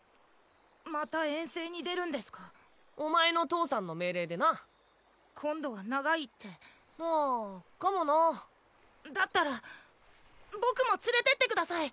また遠征に出るんでお前の父さんの命令でな今度は長いってあだったら僕も連れてってください！